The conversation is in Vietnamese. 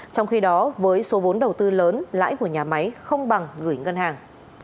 trong khi đó với số vốn đầu tư lớn lãi của nhà máy không bằng gửi ngân hàng